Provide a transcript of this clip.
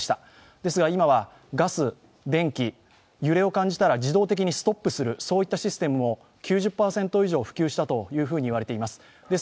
ですが今はガス、電気、揺れを感じたら自動的にストップするそういったシステムも９０％以上、普及したといわれています。